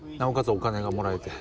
お金がもらえて。